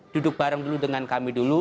duduk bareng dulu dengan kami dulu